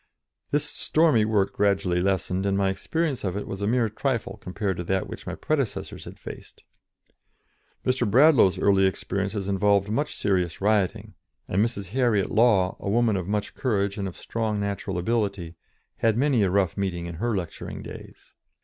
This stormy work gradually lessened, and my experience of it was a mere trifle compared to that which my predecessors had faced. Mr. Bradlaugh's early experiences involved much serious rioting, and Mrs. Harriet Law, a woman of much courage and of strong natural ability, had many a rough meeting in her lecturing days.